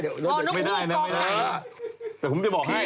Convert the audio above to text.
หรือผอนกูปล่องใหม่